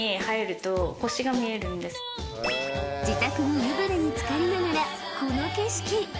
［自宅の湯船に漬かりながらこの景色］